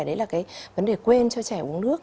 đấy là cái vấn đề quên cho trẻ uống nước